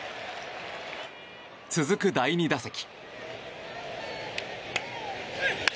続く第２打席。